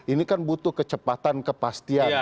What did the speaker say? ini kan butuh kecepatan kepastian